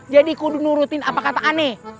jadi kudu nurutin apa kata aneh